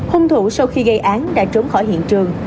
hung thủ sau khi gây án đã trốn khỏi hiện trường